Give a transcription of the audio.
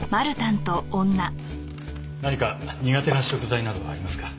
何か苦手な食材などはありますか？